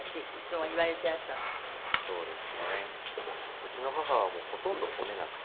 うちの母はほとんど褒めなくて。